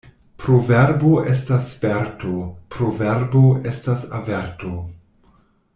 Proverbo estas sperto, proverbo estas averto.